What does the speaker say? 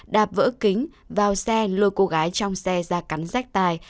đạp vỡ kính vào xe lôi cô gái trong xe ra cắn rách tài